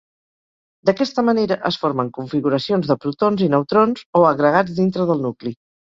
D'aquesta manera es formen configuracions de protons i neutrons o agregats dintre del nucli.